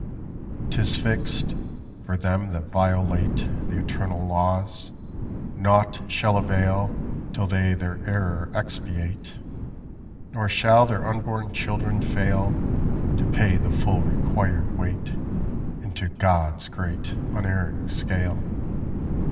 'Tis fixed for them that violate The eternal laws, naught shall avail Till they their error expiate; Nor shall their unborn children fail To pay the full required weight Into God's great, unerring scale.